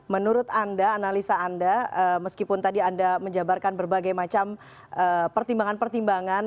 menurut anda analisa anda meskipun tadi anda menjabarkan berbagai macam pertimbangan pertimbangan